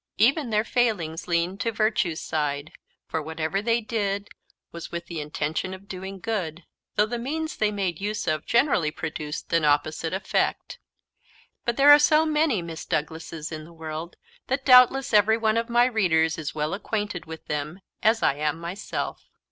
"Even their failings leaned to virtue's side;" for whatever they did was with the intention of doing good, though the means they made use of generally produced an opposite effect. But there are so many Miss Douglases in the world that doubtless everyone of my readers is as well acquainted with them as I am myself.